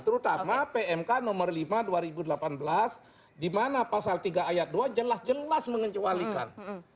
terutama pmk nomor lima dua ribu delapan belas di mana pasal tiga ayat dua jelas jelas mengecualikan